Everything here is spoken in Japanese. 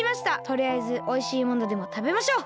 とりあえずおいしいものでもたべましょう。